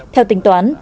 theo tính toán